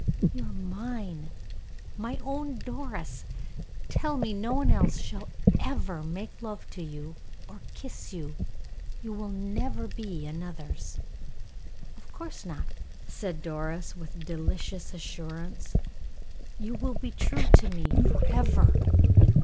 "You are mine, my own Doris! Tell me, no one else shall ever make love to you, or kiss you you will never be another's?" "Of course not," said Doris, with delicious assurance. "You will be true to me forever."